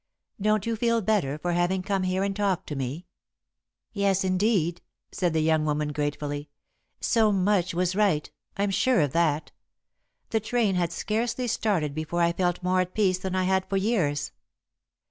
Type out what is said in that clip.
Don't you feel better for having come here and talked to me?" "Yes, indeed," said the young woman, gratefully. "So much was right I'm sure of that. The train had scarcely started before I felt more at peace than I had for years."